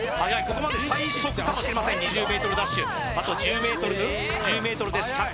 ここまで最速かもしれません２０ｍダッシュあと１０ｍ１０ｍです